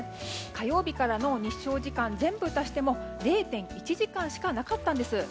火曜日からの日照時間を全部足しても０．１時間しかなかったんです。